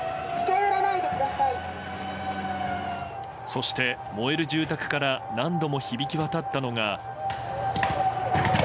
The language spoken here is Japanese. そして、燃える住宅から何度も響き渡ったのが。